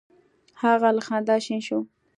هغه له خندا شین شو: